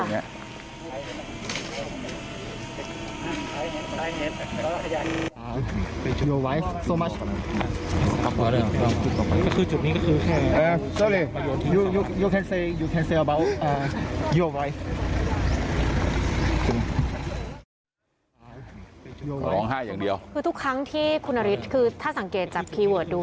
และก็ทุกครั้งที่คุณที่นาริศถ้าสังเกตจับคลิเวิร์ดดู